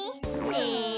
ねえ！